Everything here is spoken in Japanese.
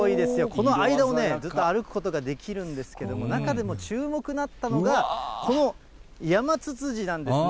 この間をね、歩くことができるんですけれども、中でも注目だったのが、このヤマツツジなんですね。